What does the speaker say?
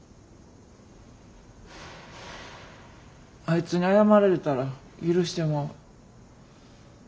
あいつに謝られたら許してまう。